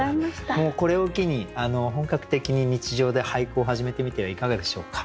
もうこれを機に本格的に日常で俳句を始めてみてはいかがでしょうか？